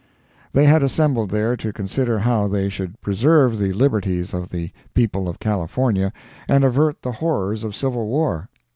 They had assembled there to consider how they should preserve the liberties of the people of California, and avert the horrors of civil war.